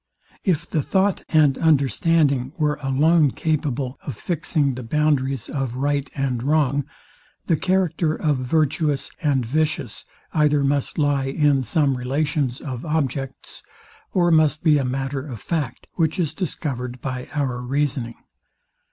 If the thought and understanding were alone capable of fixing the boundaries of right and wrong, the character of virtuous and vicious either must lie in some relations of objects, or must be a matter of fact, which is discovered by our reasoning.